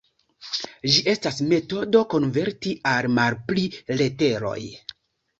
Ĝi estas metodo konverti al malpli leteroj.